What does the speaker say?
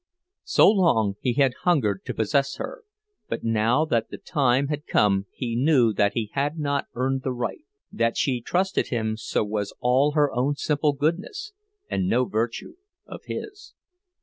So long he had hungered to possess her, but now that the time had come he knew that he had not earned the right; that she trusted him so was all her own simple goodness, and no virtue of his.